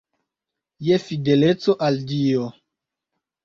Je fideleco al Dio.